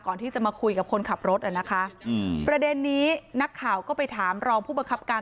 ก่อนที่จะมาคุยกับคนขับรถอ่ะนะคะอืมประเด็นนี้นักข่าวก็ไปถามรองผู้บังคับการ